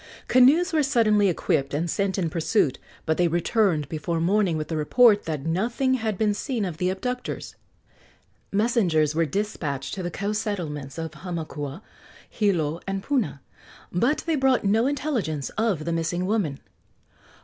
Canoes were suddenly equipped and sent in pursuit, but they returned before morning with the report that nothing had been seen of the abductors. Messengers were despatched to the coast settlements of Hamakua, Hilo and Puna, but they brought no intelligence of the missing woman.